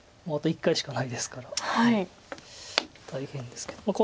もうあと１回しかないですから大変ですけど。